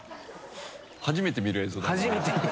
初めて見る映像だから。